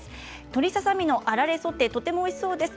鶏ささ身のあられソテーとてもおいしそうです。